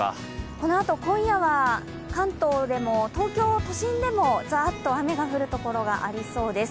このあと今夜は、関東でも東京都心でもザーッと雨が降るところがありそうです。